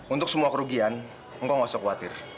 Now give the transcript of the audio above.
untuk semua kerugian engkong gak usah khawatir